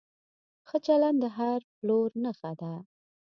ښه چلند د هر پلور نښه ده.